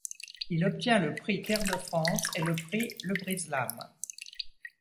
Il obtient le Prix Terre de France et le prix Le Brise-lames.